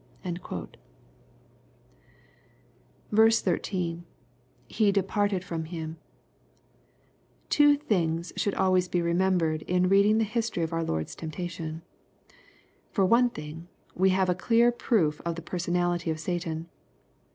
id. — [He decried Jrom him,] Two things should always be remem bered in reading the history of our Lord's temptation. For one thing, we have a clear proof of the personality of Satan.